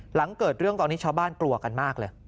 หลังเกิดเรื่องตอนนี้ชาวบ้านกลัวกันมากเลย